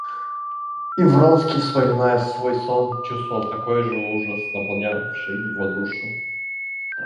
И Вронский, вспоминая свой сон, чувствовал такой же ужас, наполнявший его душу.